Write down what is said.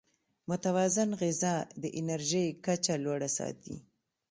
متوازن غذا د انرژۍ کچه لوړه ساتي.